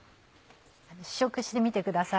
試食してみてください。